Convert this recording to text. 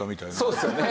そうですよね。